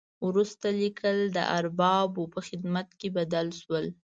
وروسته لیکل د اربابانو په خدمت بدل شول.